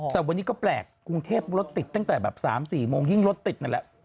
แต่วันนี้ก็แปลกกรุงเทพรถติดตั้งแต่แบบ๓๔โมงยิ่งรถติดนั่นแหละ